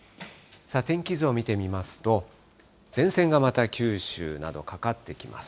天気図を見てみますと、前線がまた九州など、かかってきます。